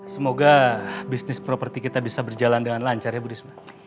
semoga bisnis properti kita bisa berjalan dengan lancar ya bu risma